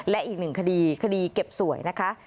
และอีกหนึ่งคดีคดีเก็บสวยนะคะ